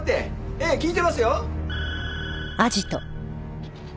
ええ聞いてますよ。